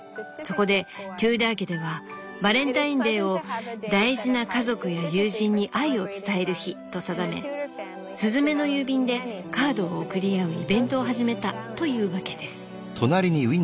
そこでテューダー家ではバレンタインデーを『大事な家族や友人に愛を伝える日』と定めスズメの郵便でカードを送り合うイベントを始めたというわけです」。